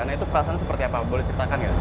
nah itu perasaan seperti apa boleh ceritakan ya